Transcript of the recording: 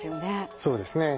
そうですね。